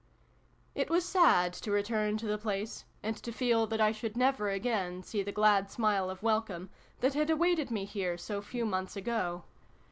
It was sad to return to the place, and to feel that I should never again see the glad smile of welcome, that had awaited me here so few months ago.